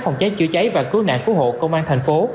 phòng cháy chữa cháy và cứu nạn cứu hộ công an thành phố